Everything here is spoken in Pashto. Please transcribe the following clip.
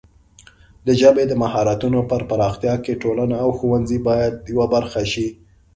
د ژبې د مهارتونو پر پراختیا کې ټولنه او ښوونځي باید یوه برخه شي.